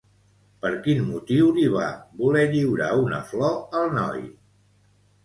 Per quin motiu li va voler lliurar una flor al noi?